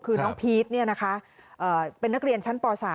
คือน้องพีทเนี่ยนะคะเป็นนักเรียนชั้นป๓